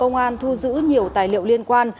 công an thu giữ nhiều tài liệu liên quan